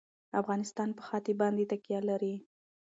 افغانستان په ښتې باندې تکیه لري.